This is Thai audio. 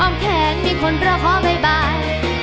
อ้อมแทงมีคนเล่าขอบ๊ายบาย